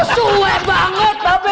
sue banget pak be